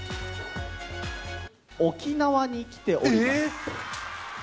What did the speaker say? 沖縄に来ております。